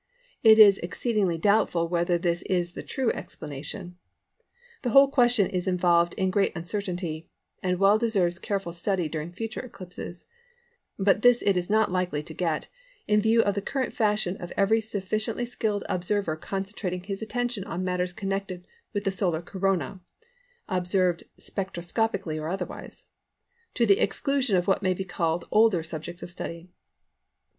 It is exceedingly doubtful whether this is the true explanation. The whole question is involved in great uncertainty, and well deserves careful study during future eclipses; but this it is not likely to get, in view of the current fashion of every sufficiently skilled observer concentrating his attention on matters connected with the solar Corona (observed spectroscopically or otherwise), to the exclusion of what may be called older subjects of study.